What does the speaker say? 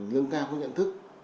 lương cao các nhận thức